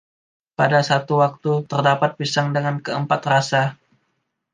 Pada satu waktu, terdapat pisang dengan keempat rasa.